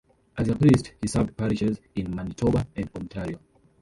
As a priest, he served parishes in Manitoba and Ontario.